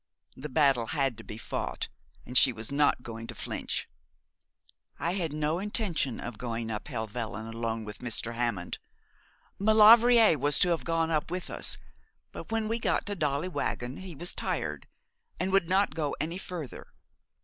The battle had to be fought, and she was not going to flinch. 'I had no intention of going up Helvellyn alone with Mr. Hammond. Maulevrier was to have gone with us; but when we got to Dolly Waggon he was tired, and would not go any further.